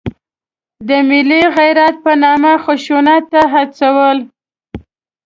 د ملي غیرت په نامه خشونت ته هڅول.